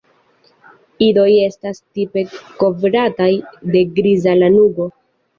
Idoj estas tipe kovrataj de griza lanugo.